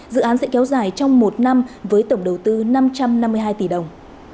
dự án sẽ kéo dài trong một năm với tổng đầu tư năm trăm năm mươi hai tỷ đồng